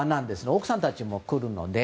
奥さんたちも来るので。